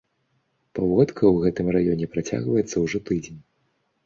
Паводка ў гэтым раёне працягваецца ўжо тыдзень.